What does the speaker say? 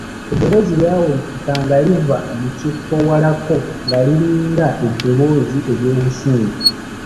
Eddoboozi lyawulikika nga liva mu kikko walako nga liringa eddoboozi ery'obusungu.